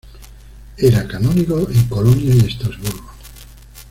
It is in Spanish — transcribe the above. Era canónigo en Colonia y Estrasburgo.